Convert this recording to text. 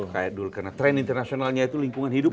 kayak dulu karena tren internasionalnya itu lingkungan hidup